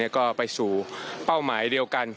ก็ไปสู่เป้าหมายเดียวกัน